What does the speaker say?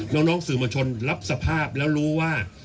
น้องสื่อมวลชนรับสภาพแล้วรู้ว่า